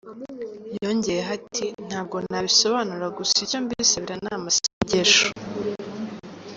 Yongeyeho ati "Ntabwo nabisobanura gusa icyo mbisabira ni amasengesho.